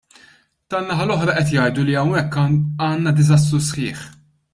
Tan-naħa l-oħra qed jgħidu li hawnhekk għandna diżastru sħiħ.